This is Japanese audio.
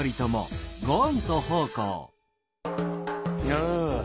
やあ！